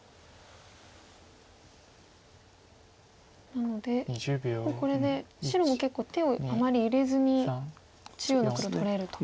なのでもうこれで白も結構手をあまり入れずに中央の黒取れると。